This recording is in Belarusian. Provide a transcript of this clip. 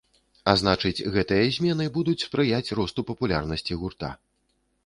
А значыць, гэтыя змены будуць спрыяць росту папулярнасці гурта.